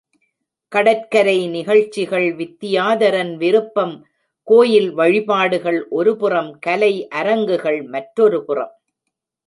கடற்கரை நிகழ்ச்சிகள் வித்தியாதரன் விருப்பம் கோயில் வழிபாடுகள் ஒருபுறம் கலை அரங்குகள் மற்றொருபுறம்.